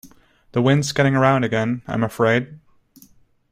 The wind's getting round again, I am afraid.